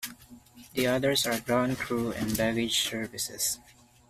The others are ground crew and baggage services.